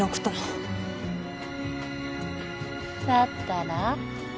だったら？